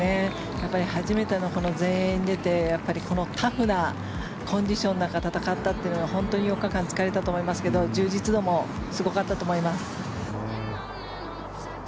やっぱり初めての全英に出てタフなコンディションの中戦ったというのは本当に４日間疲れたと思いますが充実度もすごかったと思います。